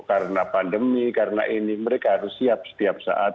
karena pandemi karena peradilan ini mereka harus siap tiap saat